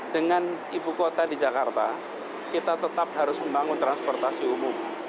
dengan ibu kota di jakarta kita tetap harus membangun transportasi umum